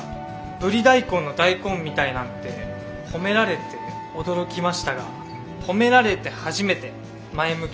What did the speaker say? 『ブリ大根の大根みたい』なんて褒められて驚きましたが褒められて初めて前向きになれました。